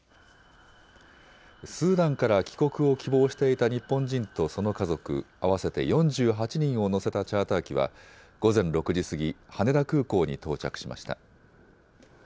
スーダンから帰国を希望していた日本人とその家族合わせて４８人を乗せたチャーター機は午前６時過ぎ羽田空港に到着しました。